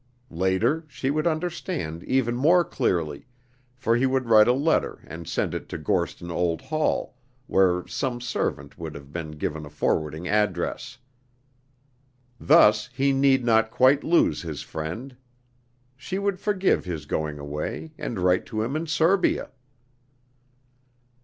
Later, she would understand even more clearly, for he would write a letter and send it to Gorston Old Hall, where some servant would have been given a forwarding address. Thus he need not quite lose his friend. She would forgive his going away, and write to him in Serbia.